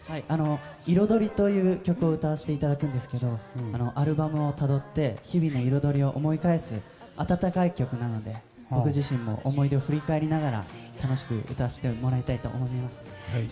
「彩り」という曲を歌わせていただくんですけどアルバムをたどって日々の彩りを思い返す温かい曲なので僕自身も思い出を振り返りながら楽しく歌わせてもらいたいと思います。